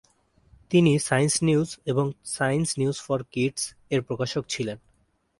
তিনি "Science News" এবং "Science News for কিডস"-এর প্রকাশক ছিলেন।